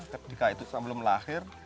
ketika itu sebelum lahir